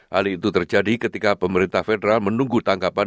hal itu terjadi ketika pemerintah federal menunggu tangkapan